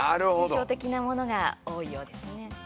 抽象的なものが多いようですね。